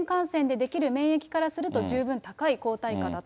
できる免疫からすると十分高い抗体価だと。